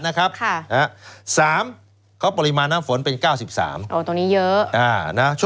เขาบอกว่าปริมาณน้ำฝนเป็น๙๓มิลลิเมตร